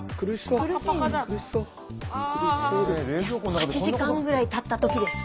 ８時間ぐらいたった時です。